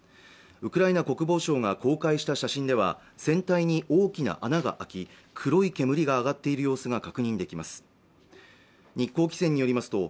ウクライナ国防省が公開した写真では船体に大きな穴があき黒い煙が上がっている様子が確認できます